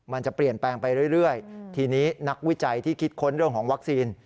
มันจะเปลี่ยนแปลงไปเรื่อยทีนี้นักวิจัยที่คิดค้นเรื่องของวัคซีน